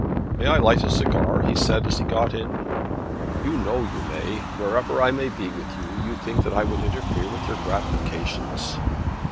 "May I light a cigar?" he said as he got in. "You know you may. Wherever I may be with you do you think that I would interfere with your gratifications?"